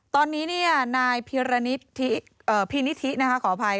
ตอนนี้นายพินิธินะคะขออภัย